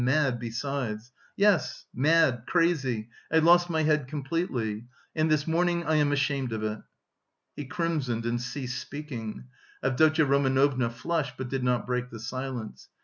mad besides; yes, mad, crazy, I lost my head completely... and this morning I am ashamed of it." He crimsoned and ceased speaking. Avdotya Romanovna flushed, but did not break the silence.